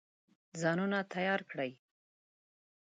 ځانونه تیار کړي.